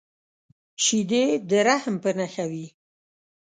شیدې د رحم په نښه وي